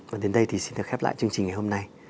và đến đây thì xin được khép lại chương trình ngày hôm nay